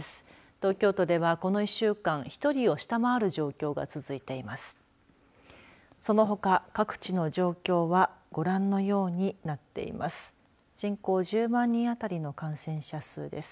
東京都では、この１週間１人を下回る状況が続いています。